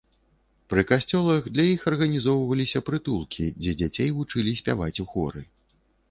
Пры касцёлах для іх арганізоўваліся прытулкі, дзе дзяцей вучылі спяваць ў хоры.